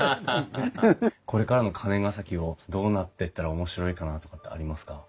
これからの金ケ崎をどうなってったら面白いかなとかってありますか？